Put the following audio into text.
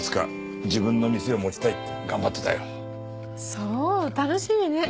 そう楽しみね。